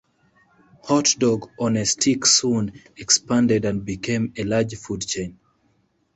Hot Dog on a Stick soon expanded and became a large food chain.